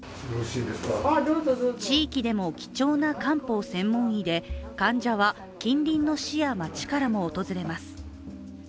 地域でも貴重な漢方専門医で患者は近隣の市や町からも訪れます。